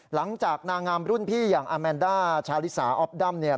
หลังจากนางงามรุ่นพี่อย่างอาแมนดาชาลิสาอ๊อบด้ำเนี่ย